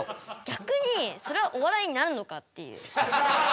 逆にそれはお笑いになるのかっていう。